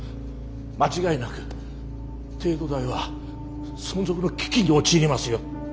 間違いなく帝都大は存続の危機に陥りますよ！